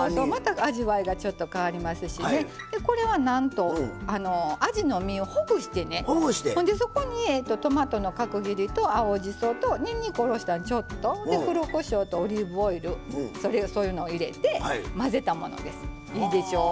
味わいがまた変わりますしこれは、なんとあじの身をほぐしてそこにトマトの角切りと青じそとにんにくをおろして黒こしょうと、オリーブオイルそういうのを入れて混ぜたものです、いいでしょ。